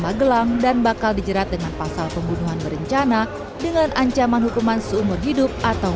magelang dan bakal dijerat dengan pasal pembunuhan berencana dengan ancaman hukuman seumur hidup atau